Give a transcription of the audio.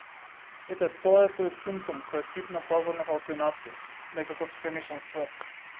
Ете тоа е тој симптом кој е тип на пазарна халуцинација, некаков сенишен свет.